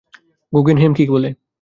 Guggenheim কী বলে?